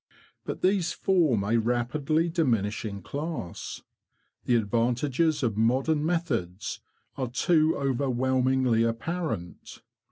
But these form a rapidly diminishing class. The advantages of modern methods are too over whelmingly apparent.